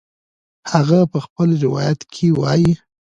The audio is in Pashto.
هغه په خپل روایت کې وایي